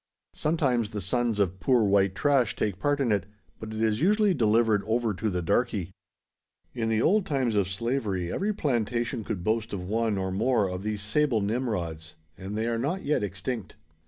Sometimes the sons of "poor white trash" take part in it; but it is usually delivered over to the "darkey." In the old times of slavery every plantation could boast of one, or more, of these sable Nimrods; and they are not yet extinct.